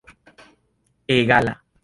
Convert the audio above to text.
egala